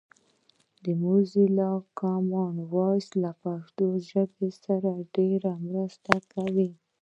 موزیلا کامن وایس له پښتو ژبې سره ډېره مرسته کوي